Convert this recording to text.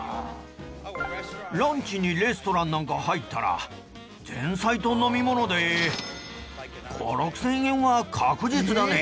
ランチにレストランなんか入ったら前菜と飲み物で５０００６０００円は確実だね。